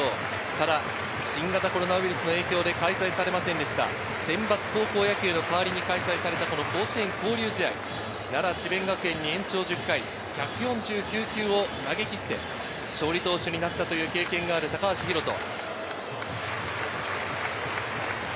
ただ新型コロナウイルスの影響で開催されませんでした選抜高校野球の代わりに開催された甲子園交流試合、奈良・智辯学園に延長１０回、１４９球を投げ切って勝利投手になった経験がある高橋宏斗。